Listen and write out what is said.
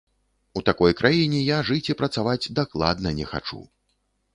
У такой краіне я жыць і працаваць дакладна не хачу.